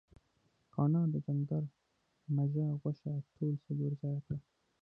کاڼهٔ د ډنګر مږهٔ غوښه ټوله څلور ځایه کړه.